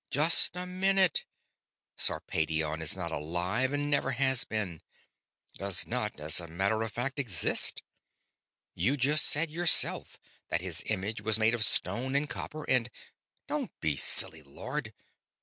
"Just a minute! Sarpedion is not alive and never has been; does not, as a matter of fact, exist. You just said, yourself, that his image was made of stone and copper and ..." "Don't be silly, Lord.